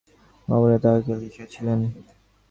হৈমর শরীরের কথাটা নিশ্চয় বনমালীবাবু তাঁহাকে লিখিয়াছিলেন।